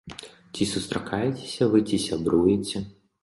Ці сустракаецеся вы, ці сябруеце?